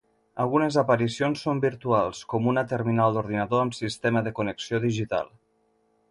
Algunes aparicions són virtuals, com una terminal d'ordinador amb sistema de connexió digital.